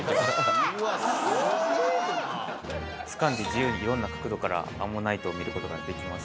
つかんで自由に色んな角度からアンモナイトを見る事ができます。